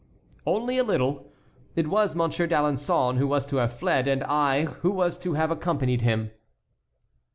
"Only a little. It was Monsieur d'Alençon who was to have fled, and I who was to have accompanied him."